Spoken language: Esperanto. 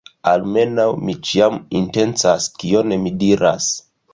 Almenaŭ,... mi ĉiam intencas kion mi diras.